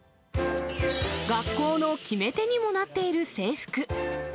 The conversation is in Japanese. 学校の決め手にもなっている制服。